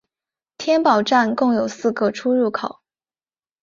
天宝站共有四个出入口。